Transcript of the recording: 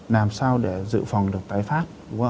làm sao để giữ phòng được tái phát